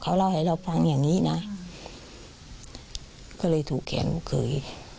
เขาเล่าให้เราฟังอย่างนี้นะก็เลยถูกแขนลูกเขย